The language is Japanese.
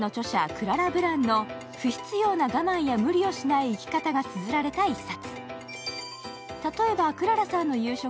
クララ・ブランの、不必要な我慢や無理をしない生き方がつづられた一冊。